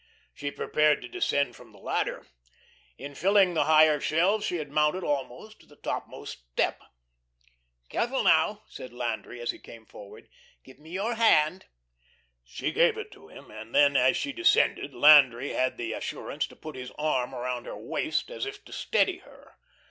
She prepared to descend from the ladder. In filling the higher shelves she had mounted almost to the topmost step. "Careful now," said Landry, as he came forward. "Give me your hand." She gave it to him, and then, as she descended, Landry had the assurance to put his arm around her waist as if to steady her.